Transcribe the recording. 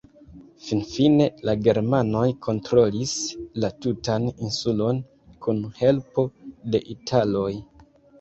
Finfine la germanoj kontrolis la tutan insulon kun helpo de italoj.